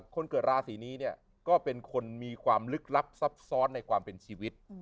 คนเกิดราศีนี้เนี่ยก็เป็นคนมีความลึกลับซับซ้อนในความเป็นชีวิต